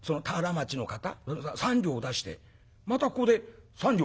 ３両出してまたここで３両。